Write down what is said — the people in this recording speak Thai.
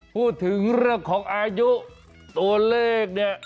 พูดถึงเรื่องของอายุตัวเลขเนี่ย